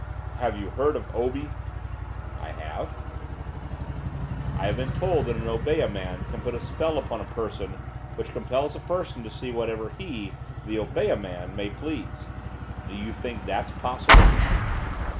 'Have you heard of Obi?' 'I have.' 'I have been told that an Obeah man can put a spell upon a person which compels a person to see whatever he the Obeah man may please. Do you think that's possible?